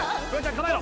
構えろ